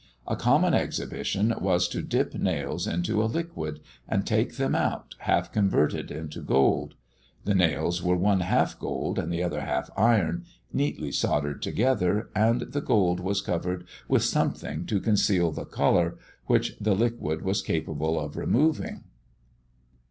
A common exhibition was to dip nails into a liquid, and take them out, half converted into gold. The nails were one half gold and the other half iron, neatly soldered together, and the gold was covered with something to conceal the colour, which the liquid was capable of removing.